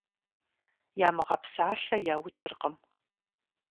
Ямыгъэпсалъэ яукӀыркъым.